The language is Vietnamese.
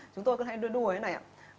chúng tôi cứ hay đuôi đuôi thế này ạ